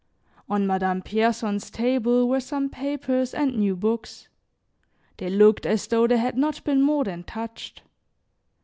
On Madame Pierson's table were some papers and new books; they looked as though they had not been more than touched.